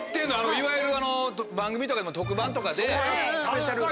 いわゆる番組とかでも特番とかでスペシャル。